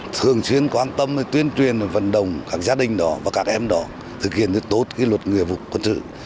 thường xuyên quan tâm tuyên truyền vận động các gia đình đó và các em đó thực hiện tốt luật người vụ quân sự